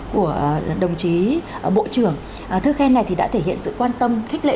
của đồng chí bộ trưởng thư khen này thì đã thể hiện sự quan tâm khích lệ